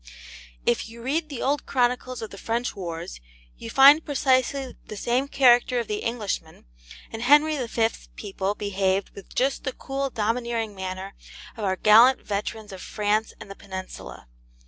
If you read the old Chronicles of the French wars, you find precisely the same character of the Englishman, and Henry V.'s people behaved with just the cool domineering manner of our gallant veterans of France and the Peninsula.